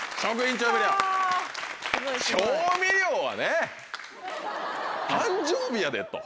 調味料はね誕生日やでと。